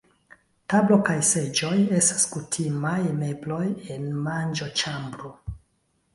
Tablo kaj seĝoj estas kutimaj mebloj en manĝoĉambro.